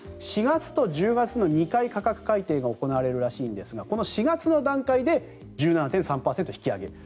４月と１０月の２回価格改定が行われるらしいんですがこの４月の段階で１７．３％引き上げ。